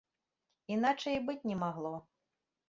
Іначай і быць не магло.